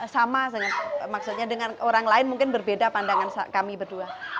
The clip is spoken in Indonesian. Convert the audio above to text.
sama maksudnya dengan orang lain mungkin berbeda pandangan kami berdua